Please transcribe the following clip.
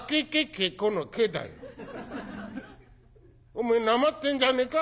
おめえなまってんじゃねえか？」。